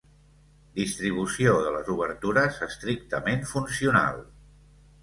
Distribució de les obertures estrictament funcional.